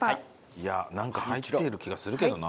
いやなんか入ってる気がするけどな。